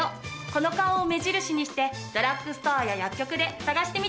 この顔を目印にしてドラッグストアや薬局で探してみてね。